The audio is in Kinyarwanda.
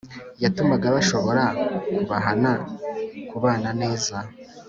yatumaga bashobora kubahana, kubana neza